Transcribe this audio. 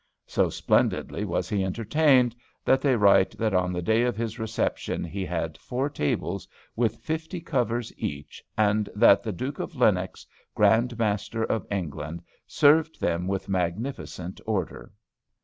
So splendidly was he entertained, that they write that on the day of his reception he had four tables, with fifty covers each, and that the Duke of Lennox, Grand Master of England, served them with magnificent order.